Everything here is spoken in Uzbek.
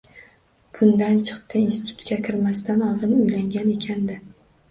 Bundan chiqdi, institutga kirmasidan oldin uylangan ekan-da